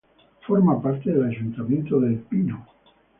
Forma parte del ayuntamiento de El Pino.